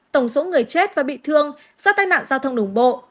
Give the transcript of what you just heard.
tổng số người chết và bị thương do tai nạn giao thông đồng bộ